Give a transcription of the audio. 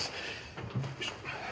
よいしょ。